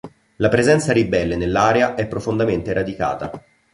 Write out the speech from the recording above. La presenza ribelle nell'area è profondamente radicata.